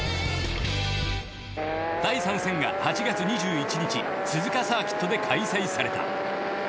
第３戦が８月２１日鈴鹿サーキットで開催された。